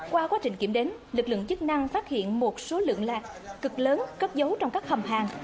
qua quá trình kiểm đếm lực lượng chức năng phát hiện một số lượng lạc cực lớn cất giấu trong các hầm hàng